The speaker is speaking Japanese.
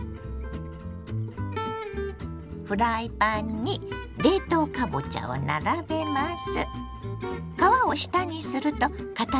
フライパンに冷凍かぼちゃを並べます。